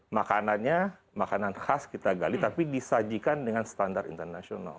makanannya makanan khas kita gali tapi disajikan dengan standar internasional